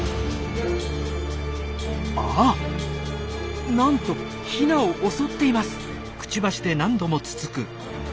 あっなんとヒナを襲っています！